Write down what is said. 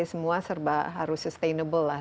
semua serba harus sustainable lah